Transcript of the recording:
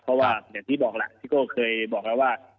เพราะว่าอย่างที่บอกแหละพี่โก้เคยบอกแล้วว่า